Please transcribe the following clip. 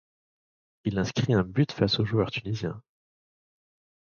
Il inscrit un but face aux joueurs tunisiens.